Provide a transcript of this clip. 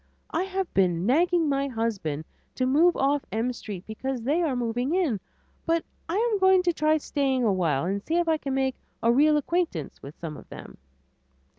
I have been nagging my husband to move off M Street because they are moving in, but I am going to try staying awhile and see if I can make a real acquaintance with some of them."